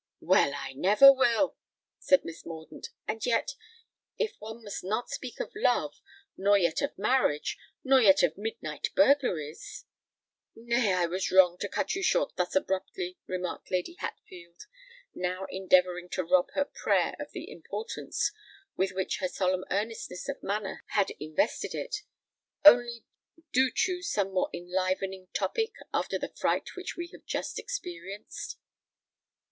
"Well—I never will," said Miss Mordaunt. "And yet, if one must not speak of Love—nor yet of marriage—nor yet of midnight burglaries——" "Nay—I was wrong to cut you short thus abruptly," remarked Lady Hatfield, now endeavouring to rob her prayer of the importance with which her solemn earnestness of manner had invested it: "only, do choose some more enlivening topic after the fright which we have just experienced."